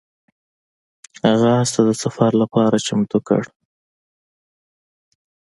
هغه اس ته د سفر لپاره چمتو کړ.